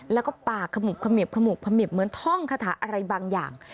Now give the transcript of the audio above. แล้วก็ปากขมุบขมิบขมุบขมิบเหมือนท่องคาถาอะไรบางอย่าง